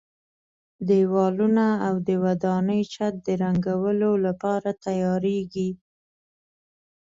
دېوالونه او د ودانۍ چت د رنګولو لپاره تیاریږي.